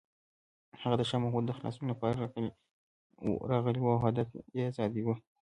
هغه د شاه محمود د خلاصون لپاره راغلی و او هدف یې ازادي وه.